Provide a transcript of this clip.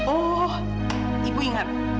oh ibu ingat